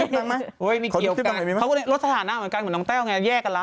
เฮ้ยมีเกี่ยวกันลดสถานะเหมือนกันเหมือนน้องแต้วไงแยกกันแล้ว